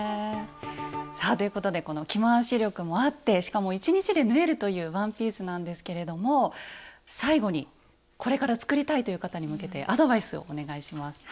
さあということでこの着回し力もあってしかも１日で縫えるというワンピースなんですけれども最後にこれから作りたいという方に向けてアドバイスをお願いします。